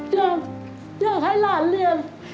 อยากให้หลานเรียน